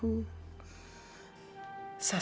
untuk bersanding dengan aciz anakku